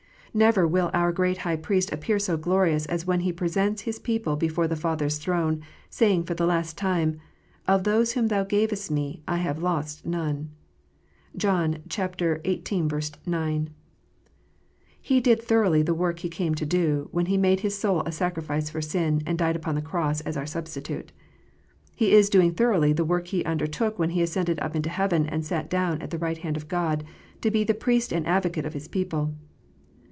Never will our great High Priest appear so glorious as when He presents His people before the Father s throne, saying, for the last time, " Of them whom thou gavest Me, have I lost none." (John xviii. 9.) He did thoroughly the work He came to do, when He made His soul a sacrifice for sin, and died upon the cross as our substitute. He is doing thoroughly the work He undertook when He ascended up to heaven, and sat down on the right hand of God to be the Priest and Advocate of His people.